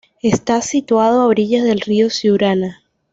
Está situado a orillas del río Siurana.